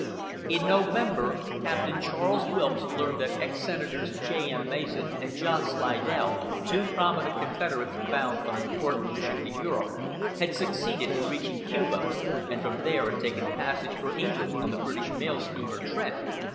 In November Captain Charles Wilkes learned that Ex Senators J. M. Mason and John Slidell, two prominent Confederates bound on an important mission to Europe, had succeeded in reaching Cuba, and from there had taken passage for England on the British mail steamer Trent.